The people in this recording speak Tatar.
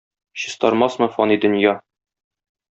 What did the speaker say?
Чистармасмы фани дөнья!